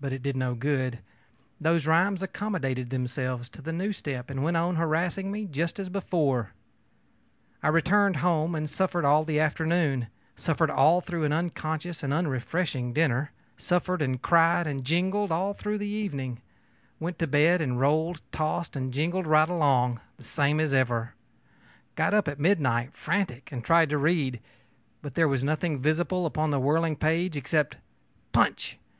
But it did no good; those rhymes accommodated themselves to the new step and went on harassing me just as before. I returned home, and suffered all the afternoon; suffered all through an unconscious and unrefreshing dinner; suffered, and cried, and jingled all through the evening; went to bed and rolled, tossed, and jingled right along, the same as ever; got up at midnight frantic, and tried to read; but there was nothing visible upon the whirling page except ōPunch!